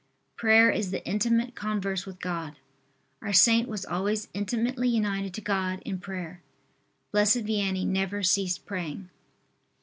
Prayer is the intimate converse with God. Our Saint was always intimately united to God in prayer. Blessed Vianney never ceased praying.